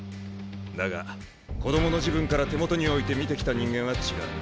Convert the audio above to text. だが子供の時分から手元に置いて見てきた人間は違う。